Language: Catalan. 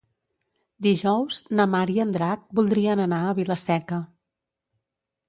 Dijous na Mar i en Drac voldrien anar a Vila-seca.